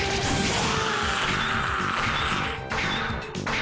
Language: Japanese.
お！